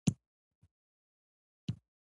زما انا به غالۍ پخپله جوړوله.